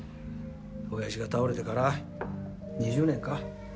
親父が倒れてから２０年か。